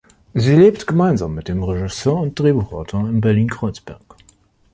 Sie lebt gemeinsam mit dem Regisseur und Drehbuchautor in Berlin-Kreuzberg.